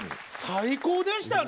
最高でしたね。